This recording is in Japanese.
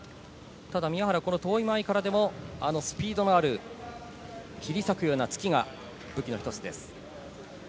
宮原は遠い間合いからでもスピードのある切り裂くような突きが武器の１つです。